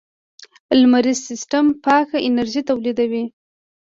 لمریز سیستم پاک انرژي تولیدوي.